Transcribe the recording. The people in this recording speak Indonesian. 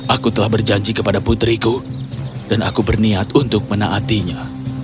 aku telah berjanji kepada putriku dan aku berniat untuk menaatinya